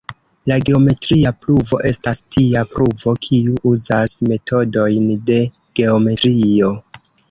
La geometria pruvo estas tia pruvo, kiu uzas metodojn de geometrio.